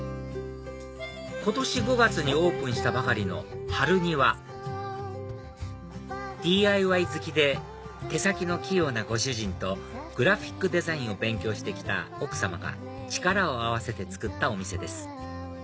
今年５月にオープンしたばかりのｈａｒｕｎｉｗａＤＩＹ好きで手先の器用なご主人とグラフィックデザインを勉強してきた奥さまが力を合わせてつくったお店です